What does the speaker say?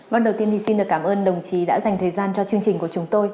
vâng đầu tiên thì xin được cảm ơn đồng chí đã dành thời gian cho chương trình của chúng tôi